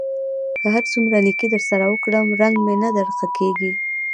که هر څومره نېکي در سره وکړم؛ رنګ مې نه در ښه کېږي.